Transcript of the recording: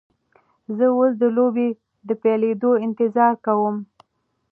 زه اوس د لوبې د پیلیدو انتظار کوم.